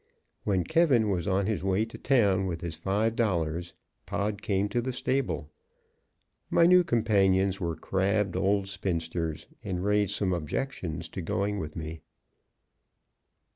When K was on his way to town with his five dollars, Pod came to the stable. My new companions were crabbed old spinsters, and raised some objections to going with me.